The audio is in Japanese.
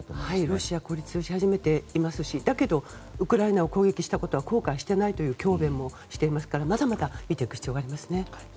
ロシア孤立し始めていますしだけどウクライナを攻撃したことは後悔していないという強弁もしているのでまだまだ見ていく必要がありますね。